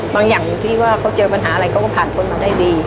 อย่างที่ว่าเขาเจอปัญหาอะไรเขาก็ผ่านพ้นมาได้ดี